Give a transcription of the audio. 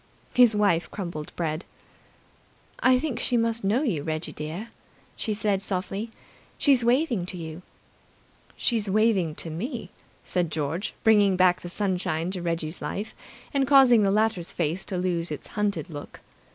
His wife crumbled bread. "I think she must know you, Reggie dear," she said softly. "She's waving to you." "She's waving to me," said George, bringing back the sunshine to Reggie's life, and causing the latter's face to lose its hunted look.